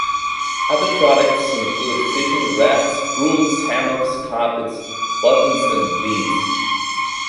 Other products include fishing rafts, brooms, hammocks, carpets, buttons and beads.